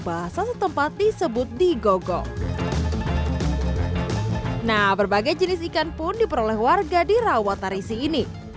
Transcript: bahasa setempat disebut digogol nah berbagai jenis ikan pun diperoleh warga di rawatarisi ini